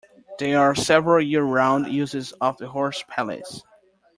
There are several year-round uses of the Horse Palace.